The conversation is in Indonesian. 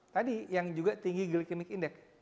tadi yang juga tinggi gilimic index